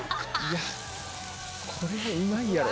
これうまいやろ。